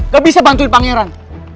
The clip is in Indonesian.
gak bisa bantuin pangeran